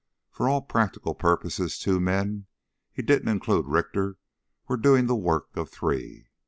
For all practical purposes two men he didn't include Richter were doing the work of three.